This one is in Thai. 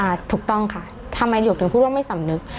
ถูกต้องค่ะทำไมหลวกถึงพูดว่าไม่สำนึก